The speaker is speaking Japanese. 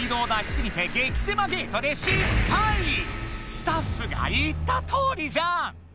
スタッフが言ったとおりじゃん！